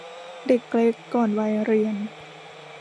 เด็กเล็กก่อนวัยเรียน